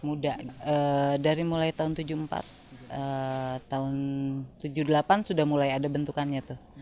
muda dari mulai tahun seribu sembilan ratus tujuh puluh empat tahun seribu sembilan ratus tujuh puluh delapan sudah mulai ada bentukannya tuh